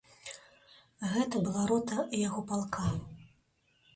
Гэта была рота яго палка.